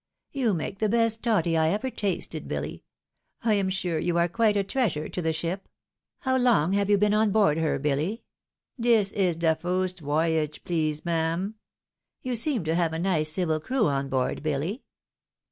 " You make the best toddy I ever tasted, BiUy. I am sure you are quite a treasure to the ship. How long have you been on board her, BiUy ?"" Dis is de fust woyage, please, mam." " You seem to have a nice civil crew on board, Billy."